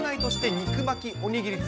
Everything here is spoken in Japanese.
肉巻きおにぎりか。